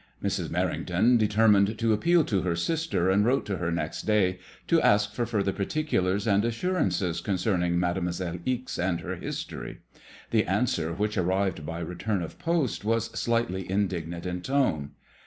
Mrs. Merrington determined to appeal to her sister, and wrote to her next day to ask for further particulars and assurances con cerning Mademoiselle Ixe and her history. The answer which arrived by return of post was slightly indignant in tone.